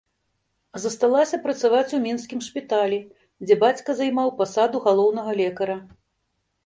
Засталася працаваць у мінскім шпіталі, дзе бацька займаў пасаду галоўнага лекара.